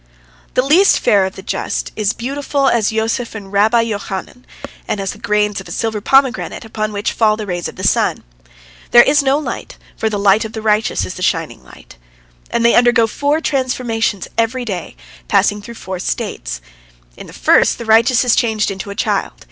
The least fair of the just is beautiful as Joseph and Rabbi Johanan, and as the grains of a silver pomegranate upon which fall the rays of the sun. There is no light, "for the light of the righteous is the shining light." And they undergo four transformations every day, passing through four states. In the first the righteous is changed into a child.